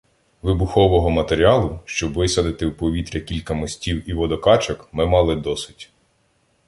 Вибухового матеріалу, щоб висадити в повітря кілька мостів і водокачок, ми мали досить.